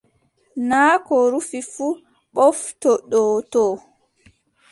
Naa ko rufi fuu ɓoftodottoo.